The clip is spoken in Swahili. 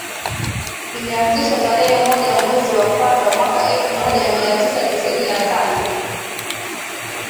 Lilianzishwa tarehe moja mwezi wa kwanza mwaka elfu moja mia tisa tisini na tano